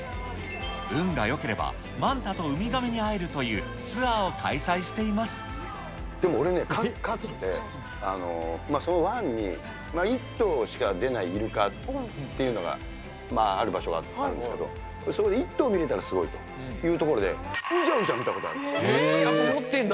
運がよければマンタとウミガメに会えるというツアーを開催していでも俺ね、かつて、その湾に１頭しか出ないイルカっていうのがある場所があるんですけど、そこで１頭見れたらすごいというところで、うじゃうじゃ見たことやっぱ持ってるんだ。